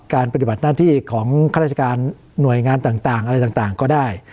ปฏิบัติหน้าที่ของข้าราชการหน่วยงานต่างอะไรต่างก็ได้